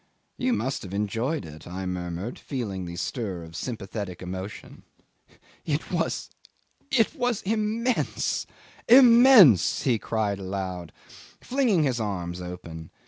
"You must have enjoyed it," I murmured, feeling the stir of sympathetic emotion. '"It was ... it was immense! Immense!" he cried aloud, flinging his arms open.